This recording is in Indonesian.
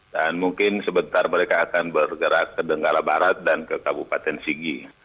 dan mungkin sebentar mereka akan bergerak ke denggala barat dan ke kabupaten sigi